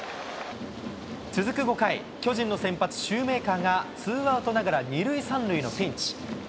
続く５回、巨人の先発、シューメーカーがツーアウトながら、２塁３塁のピンチ。